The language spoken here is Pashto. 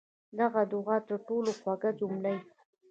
• ته د دعا تر ټولو خوږه جمله یې.